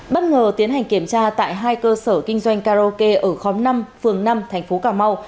bất ngờ tiến hành kiểm tra tại hai cơ sở kinh doanh karaoke ở khóm năm phường năm thành phố cà mau